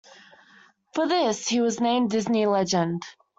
For this, he was named a Disney Legend.